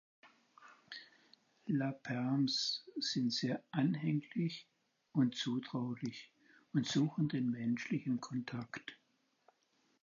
La Perms sind sehr anhänglich und zutraulich und suchen den menschlichen Kontakt.